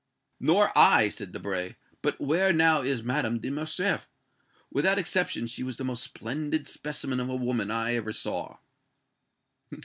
"Nor I," said Debray. "But where now is Madame de Morcerf? Without exception, she was the most splendid specimen of a woman I ever saw!"